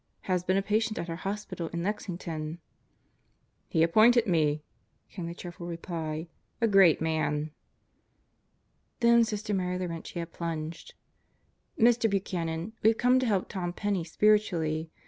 Has been a patient at our hospital in Lexington." "He appointed me," came the cheerful reply. "A great man." Then Sister Mary Laurentia plunged: "Mr. Buchanan, we've come to help Tom Penney spiritually.